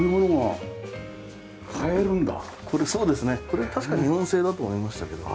これ確か日本製だと思いましたけど。